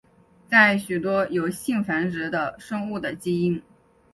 在许多有性繁殖的生物的基因。